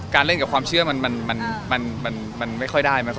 เล่นกับความเชื่อมันไม่ค่อยได้